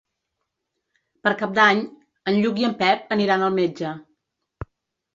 Per Cap d'Any en Lluc i en Pep aniran al metge.